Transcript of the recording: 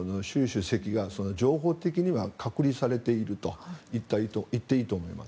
主席が情報的には隔離されていると言っていいと思います。